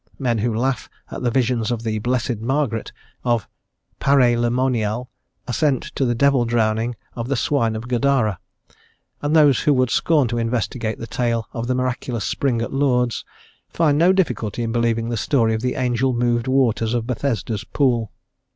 Men who laugh at the visions of the "blessed Margaret" of Paray le Monial assent to the devil drowning of the swine of Gadara; and those who would scorn to investigate the tale of the miraculous spring at Lourdes, find no difficulty in believing the story of the angel moved waters of Bethesda's pool.